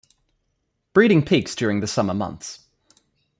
Breeding peaks during the summer months.